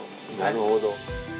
なるほど。